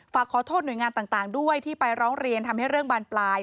ฝากขอโทษหน่วยงานต่างด้วยที่ไปร้องเรียนทำให้เรื่องบานปลาย